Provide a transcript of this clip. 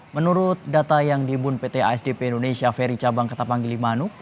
menurut data yang dibun pt sdp indonesia ferry cabang ke tabang gili manuk